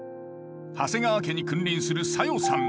長谷川家に君臨する小夜さん。